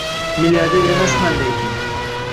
Milliarder emasman lekin